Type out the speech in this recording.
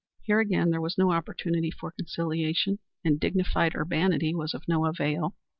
Here again there was no opportunity for conciliation, and dignified urbanity was of no avail.